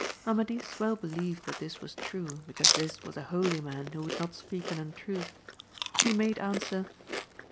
Amadis well believed that this was true, because this was a holy man, who would not speak an untruth ; he made an swer.